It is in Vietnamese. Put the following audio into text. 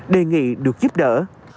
đề nghị được giúp đỡ